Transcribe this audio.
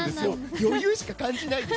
余裕しか感じないです。